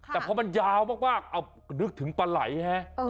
แต่พอมันยาวมากเอานึกถึงปลาไหล่ฮะ